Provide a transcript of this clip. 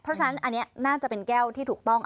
เพราะฉะนั้นอันนี้น่าจะเป็นแก้วที่ถูกต้อง